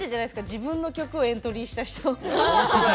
自分の曲をエントリーした人。